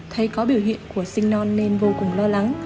thấy có biểu hiện của sinh non nên vô cùng lo lắng